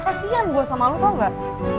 kasian gua sama lo tau gak